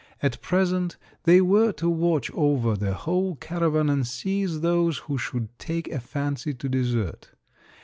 At present they were to watch over the whole caravan and seize those who should take a fancy to desert.